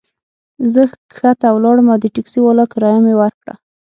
زه کښته ولاړم او د ټکسي والا کرایه مي ورکړه.